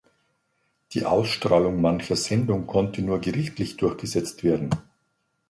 Die Ausstrahlung mancher Sendungen konnte nur gerichtlich durchgesetzt werden.